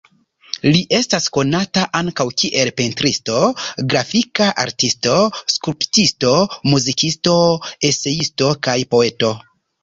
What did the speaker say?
Li estas konata ankaŭ kiel pentristo, grafika artisto, skulptisto, muzikisto, eseisto kaj poeto.